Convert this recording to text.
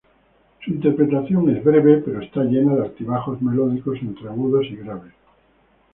Su interpretación es breve pero está llena de altibajos melódicos entre agudos y graves.